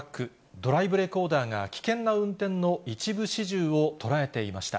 ドライブレコーダーが危険な運転の一部始終を捉えていました。